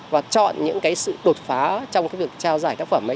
và chọn những cái sự đột phá trong cái việc trao giải tác phẩm ấy